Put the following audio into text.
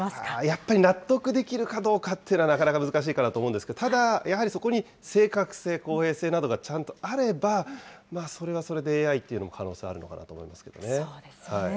やっぱり納得できるかどうかっていうのはなかなか難しいかなと思うんですけど、ただ、やはりそこに正確性、公平性などがちゃんとあれば、それはそれでＡＩというのも可能性があるのかなと思そうですね。